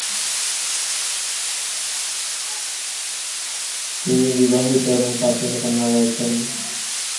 তিনি বিবাহিত এবং তার তিন কন্যা রয়েছেন।